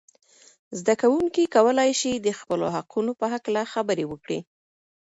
زده کوونکي کولای سي د خپلو حقونو په هکله خبرې وکړي.